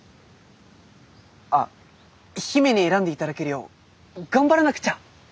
あっ姫に選んで頂けるよう頑張らなくちゃ！